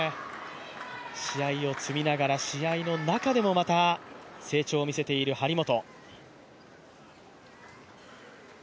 試合を積みながら、試合の中でもまた成長を見せている張本。